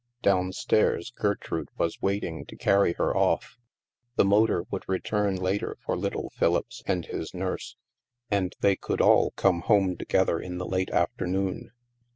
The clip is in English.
Down stairs, Gertrude was waiting to carry her off. The motor would return later for little Philippse and his nurse, and they could all come home together in the late afternoon.